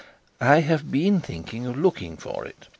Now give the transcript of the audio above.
'I have been thinking of looking for it.